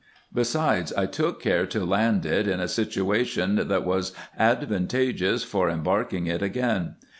Besides, I took care to land it in a situation, that was advantageous for embarking it again.